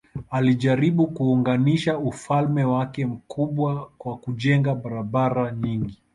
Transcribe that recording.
Alijaribu kuunganisha ufalme wake mkubwa kwa kujenga barabara nyingi.